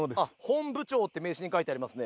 本部長って名刺に書いてあります